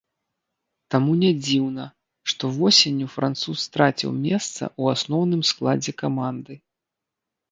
Таму не дзіўна, што восенню француз страціў месца ў асноўным складзе каманды.